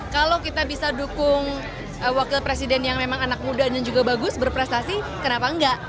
kalau kita bisa dukung wakil presiden yang memang anak muda dan juga bagus berprestasi kenapa enggak